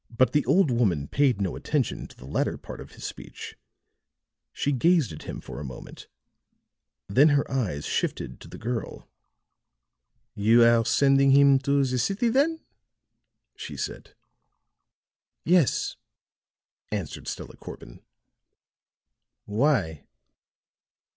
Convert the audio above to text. But the old woman paid no attention to the latter part of his speech. She gazed at him for a moment: then her eyes shifted to the girl. "You are sending him to the city, then?" she said. "Yes," answered Stella Corbin. "Why?"